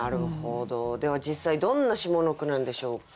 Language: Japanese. では実際どんな下の句なんでしょうか？